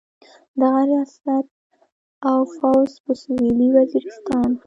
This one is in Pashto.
دغه ریاست او فوځ په سویلي وزیرستان.